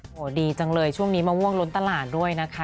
โอ้โหดีจังเลยช่วงนี้มะม่วงล้นตลาดด้วยนะคะ